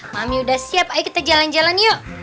mami udah siap ayo kita jalan jalan yuk